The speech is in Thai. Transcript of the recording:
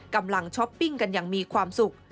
ช้อปปิ้งกันอย่างมีความสุข